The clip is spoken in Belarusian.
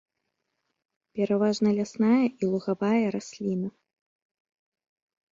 Пераважна лясная і лугавая расліна.